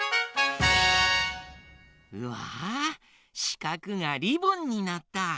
わあしかくがリボンになった！